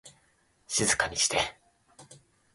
静かにして